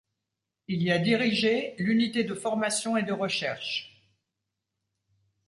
Il y a dirigé l'unité de formation et de recherche.